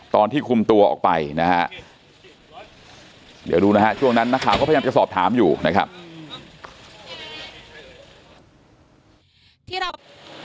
ตอนที่คุมตัวออกไปนะฮะเดี๋ยวดูนะฮะช่วงนั้นนักข่าวก็พยายามจะสอบถามอยู่นะครับ